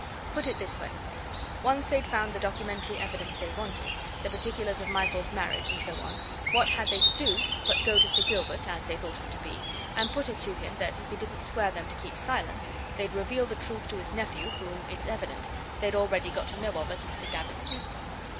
Put it this way: once they'd found the documentary evidence they wanted, the particulars of Michael's marriage, and so on, what had they to do but go to Sir Gilbert as they thought him to be and put it to him that, if he didn't square them to keep silence, they'd reveal the truth to his nephew, whom, it's evident, they'd already got to know of as Mr. Gavin Smeaton.